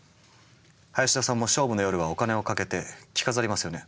林田さんも勝負の夜はお金をかけて着飾りますよね？